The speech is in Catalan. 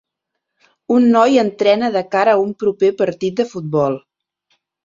Un noi entrena de cara a un proper partit de futbol.